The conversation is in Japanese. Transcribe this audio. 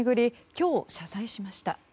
今日、謝罪しました。